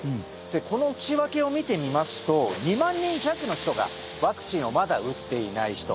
この内訳を見てみますと２万人弱の人がワクチンをまだ打っていない人。